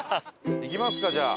行きますかじゃあ。